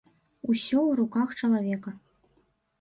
Усё ў руках чалавека.